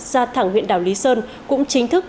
ra thẳng huyện đảo lý sơn cũng chính thức